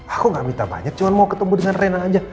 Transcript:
aku gak minta banyak cuma mau ketemu dengan renang aja